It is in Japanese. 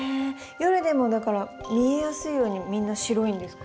夜でもだから見えやすいようにみんな白いんですか？